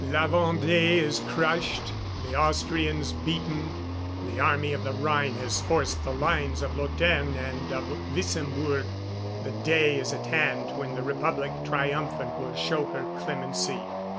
La Vendée is crushed, the Austrians beaten, the Army of the Rhine has forced the lines of Lautern and of Wissembourg. The day is at hand when the Republic triumphant will show her clemency.